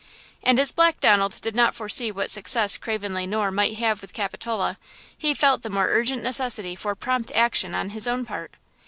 And as Black Donald did not foresee what success Craven Le Noir might have with Capitola, he felt the more urgent necessity for prompt action on his own part.